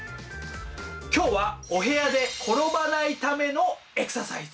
今日はお部屋で転ばないためのエクササイズ。